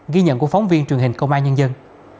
ghi nhận của phóng viên truyền hình công an nhân dân